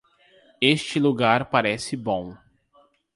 Este lugar parece bom.